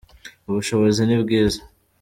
ubushobozi nibwiza